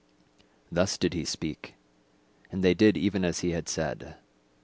Thus did he speak, and they did even as he had said.